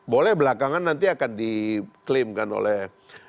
boleh belakangan nanti akan diklaimkan oleh